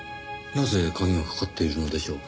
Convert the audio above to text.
なぜ鍵がかかっているのでしょう。